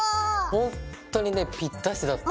ほんとにねぴったしだった。